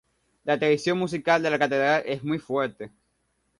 La tradición musical de la catedral es muy fuerte.